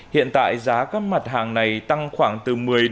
hiện tại giá các mặt hàng này tăng khoảng từ một mươi đến hai mươi so với trước